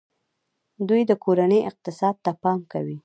دوی د کورنۍ اقتصاد ته پام کوي.